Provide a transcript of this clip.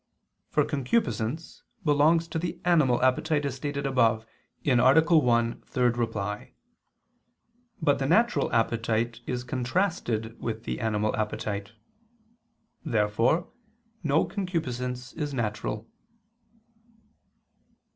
For concupiscence belongs to the animal appetite, as stated above (A. 1, ad 3). But the natural appetite is contrasted with the animal appetite. Therefore no concupiscence is natural.